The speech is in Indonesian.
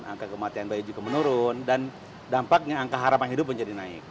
angka kematian bayi juga menurun dan dampaknya angka harapan hidup menjadi naik